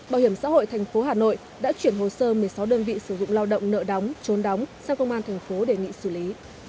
bảo hiểm xã hội thành phố hà nội đã chuyển hồ sơ một mươi sáu đơn vị sử dụng lao động nợ đóng trốn đóng sang công an thành phố đề nghị xử lý